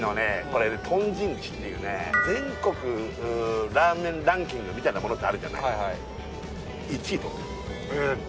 これ貪瞋癡っていうね全国ラーメンランキングみたいなものってあるじゃない。